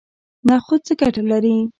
نخود څه ګټه لري؟